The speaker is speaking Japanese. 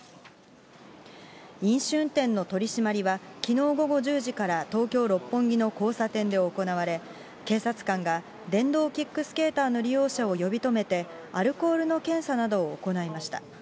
飲酒運転の取締りは、きのう午後１０時から東京・六本木の交差点で行われ、警察官が電動キックスケーターの利用者を呼び止めて、アルコールの検査などを行いました。